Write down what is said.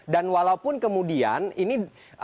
dan walaupun kemudian ini